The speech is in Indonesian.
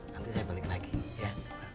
nanti saya balik lagi ya